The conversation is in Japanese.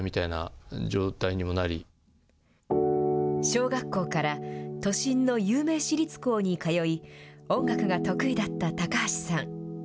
小学校から都心の有名私立校に通い、音楽が得意だった高橋さん。